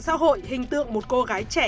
xã hội hình tượng một cô gái trẻ